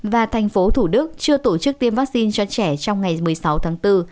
và tp thủ đức chưa tổ chức tiêm vaccine cho trẻ trong ngày một mươi sáu tháng bốn